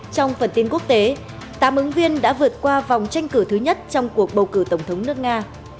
trong phần tin quốc tế tám ứng viên đã vượt qua vòng tranh cử thứ nhất trong cuộc bầu cử tổng thống nước nga